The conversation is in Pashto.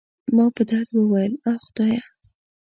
ما په درد وویل: اخ، خدایه.